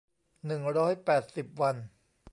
หนึ่งร้อยแปดสิบ วัน